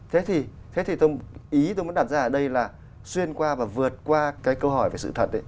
thế thì tôi ý tôi mới đặt ra ở đây là xuyên qua và vượt qua cái câu hỏi về sự thật ấy